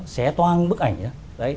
xé toan bức ảnh đó